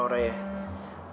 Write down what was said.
supaya dia bisa keleper keleper